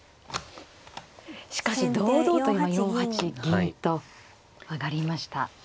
しかし堂々と今４八銀と上がりました。